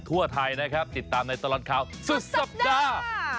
ทั่วไทยนะครับติดตามในตลอดข่าวสุดสัปดาห์